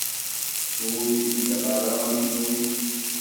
Ur ǧhideɣ ara am kenwi.